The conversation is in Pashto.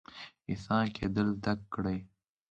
انسان کیدل زده کړئ